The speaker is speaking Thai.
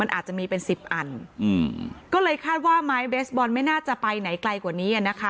อาจจะมีเป็นสิบอันอืมก็เลยคาดว่าไม้เบสบอลไม่น่าจะไปไหนไกลกว่านี้อ่ะนะคะ